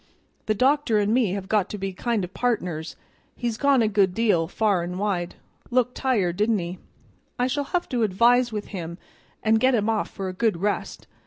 The doctor and me have got to be kind of partners; he's gone a good deal, far an' wide. Looked tired, didn't he? I shall have to advise with him an' get him off for a good rest.